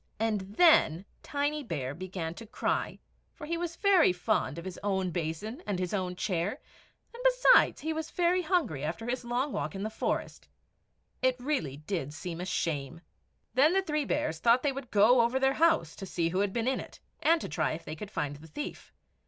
And then Tiny Bear began to cry, for he was very fond of his own basin and his own chair; and, besides, he was very hungry after his long walk in the forest. It really did seem a shame. Then the three bears thought they would go over their house, to see who had been in it, and to try if they could find the thief.